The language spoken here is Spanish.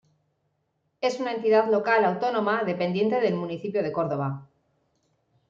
Es una Entidad Local Autónoma dependiente del municipio de Córdoba.